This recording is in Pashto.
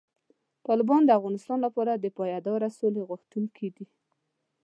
طالبان د افغانستان لپاره د پایداره سولې غوښتونکي دي.